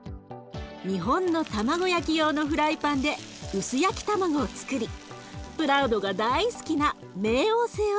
日本の卵焼き用のフライパンで薄焼き卵をつくりプラウドが大好きな冥王星をつくります。